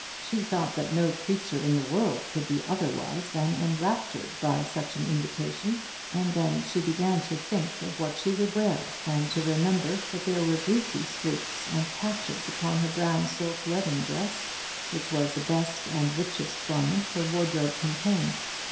She thought that no creature in the world could be otherwise than enraptured by such an invitation: and then she began to think of what she would wear, and to remember that there were greasy streaks and patches upon her brown silk wedding dress, which was the best and richest garment her wardrobe contained.